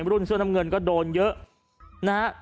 ถึงเสื้อดำเงินก็โดนเยอะนะฮะ